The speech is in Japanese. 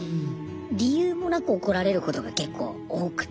理由もなく怒られることが結構多くて。